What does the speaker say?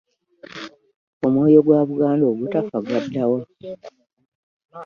Omwoyo gwa Buganda ogutafa gwadda wa?